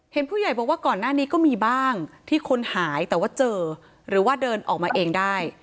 ผู้ใหญ่บอกว่าก่อนหน้านี้ก็มีบ้างที่คนหายแต่ว่าเจอหรือว่าเดินออกมาเองได้